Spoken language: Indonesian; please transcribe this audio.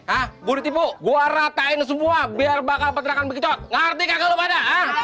hah gue tipu gua ratain semua biar bakal pergerakan begitu ngerti kagak ada